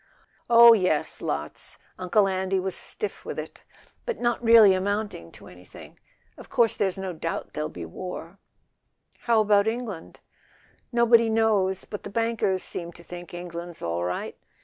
"Oh, yes, lots: Uncle Andy was stiff with it. But not really amounting to anything. Of course there's no doubt there'll be war." "How about England?" "Nobody knows; but the bankers seem to think England's all right."